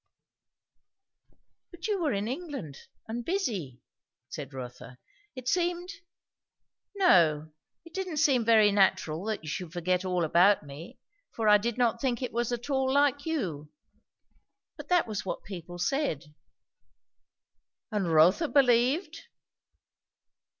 "But you were in England, and busy," said Rotha. "It seemed No, it didn't seem very natural that you should forget all about me, for I did not think it was at all like you; but that was what people said." "And Rotha believed?"